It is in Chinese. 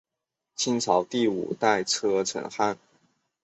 清朝第五代车臣汗。